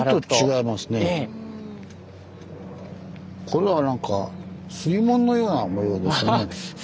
これはなんか水紋のような模様ですよね。